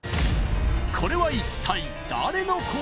これは一体誰の声？